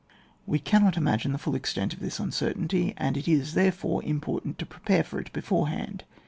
We cazmot imagine the fuU extent of this imcertainty ; and it is, therefore, im portant to prepare for it beforehand.